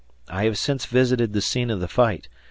I have since visited the scene of the fight.